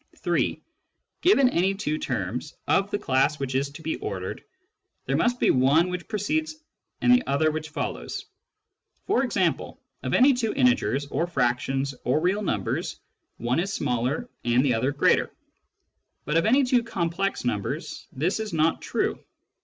(3) Given any two terms of the class which is to be ordered, there must be one which precedes and the other which follows. For example, of any two integers, or fractions, or real numbers, one is smaller and the other greater ; but of any two complex numbers this is not true.